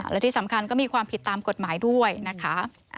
และที่สำคัญก็มีความผิดตามกฎหมายด้วยนะคะ